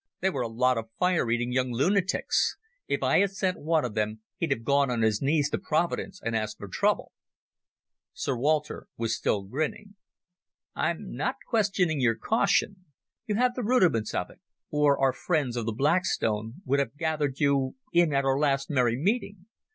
They were a lot of fire eating young lunatics. If I had sent one of them he'd have gone on his knees to Providence and asked for trouble." Sir Walter was still grinning. "I'm not questioning your caution. You have the rudiments of it, or our friends of the Black Stone would have gathered you in at our last merry meeting.